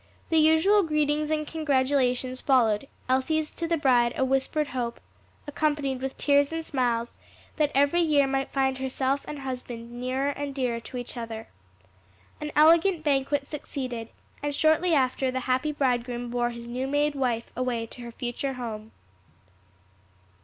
The usual greetings and congratulations followed; Elsie's to the bride a whispered hope, accompanied with tears and smiles, that every year might find herself and husband nearer and dearer to each other. An elegant banquet succeeded, and shortly after the happy bridegroom bore his new made wife away to her future home.